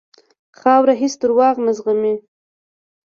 خاوره هېڅ دروغ نه زغمي.